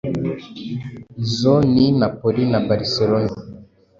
Izo ni Napoli na Barcelona,